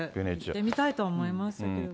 行ってみたいとは思いますけど。